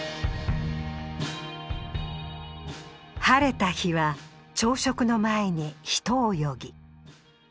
晴れた日は朝食の前にひと泳ぎ。